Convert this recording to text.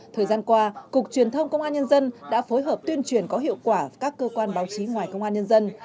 thời gian qua cục truyền thông công an nhân dân đã phối hợp tuyên truyền có hiệu quả các cơ quan báo chí ngoài công an nhân dân